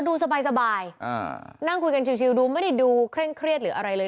ดูสบายนั่งคุยกันชิวดูไม่ได้ดูเคร่งเครียดหรืออะไรเลย